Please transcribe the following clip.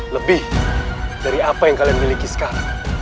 lebih dari apa yang kalian miliki sekarang